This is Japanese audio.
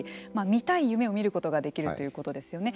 見たい夢を見ることができるということですよね。